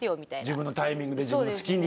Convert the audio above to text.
自分のタイミングで自分の好きに。